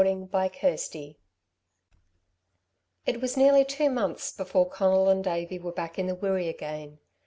CHAPTER XXXIII It was nearly two months before Conal and Davey were back in the Wirree again.